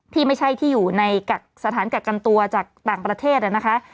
ที่ไม่ใช่ที่อยู่ในสถานกักกันตัวจากต่างประเทศนะคะ